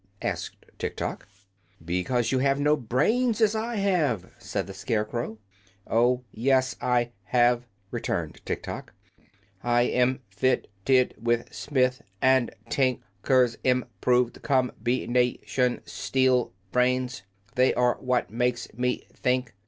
asked Tiktok. "Because you have no brains, as I have," said the Scarecrow. "Oh, yes, I have," returned Tiktok. "I am fit ted with Smith & Tin ker's Im proved Com bi na tion Steel Brains. They are what make me think.